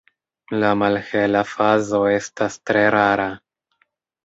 La malhela fazo estas tre rara.